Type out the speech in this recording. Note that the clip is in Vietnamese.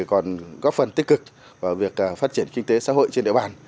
còn góp phần tích cực vào việc phát triển kinh tế xã hội trên địa bàn